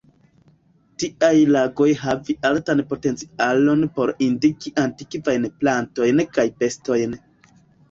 Tiaj lagoj havi altan potencialon por indiki antikvajn plantojn kaj bestojn.